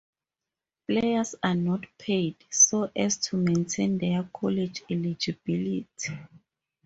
Players are not paid, so as to maintain their college eligibility.